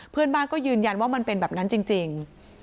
เพื่อนบ้านก็ยืนยันว่ามันเป็นแบบนั้นจริง